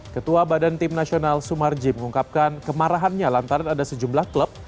ketua badan tim nasional sumarji mengungkapkan kemarahannya lantaran ada sejumlah klub